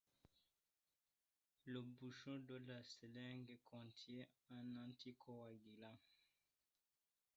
Le bouchon de la seringue contient un anticoagulant.